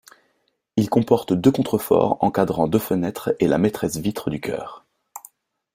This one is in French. Il comporte deux contreforts encadrant deux fenêtres et la maîtresse-vitre du chœur.